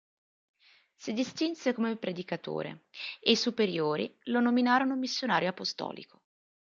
Si distinse come predicatore e i superiori lo nominarono missionario apostolico.